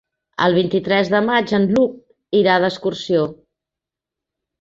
El vint-i-tres de maig en Lluc irà d'excursió.